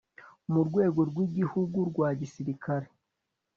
murwego rwigihugu rwa gisirikare